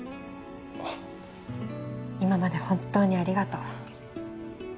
今まで本当にありがとう。